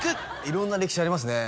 色んな歴史ありますね